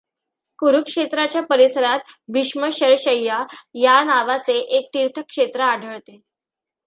कुरुक्षेत्राच्या परिसरात भीष्मशरशय्या या नावाचे एक तीर्थक्षेत्र आढळते.